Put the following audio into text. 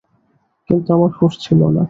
কিন্তু আমার হুঁশ ছিল না।